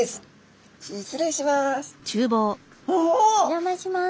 失礼します。